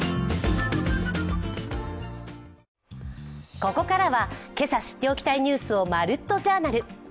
ここからは今朝知っておきたいニュースを「まるっと！Ｊｏｕｒｎａｌ」。